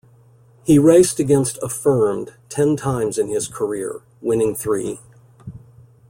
He raced against Affirmed ten times in his career, winning three.